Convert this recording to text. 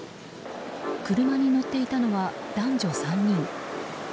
車に乗っていたのは男女３人。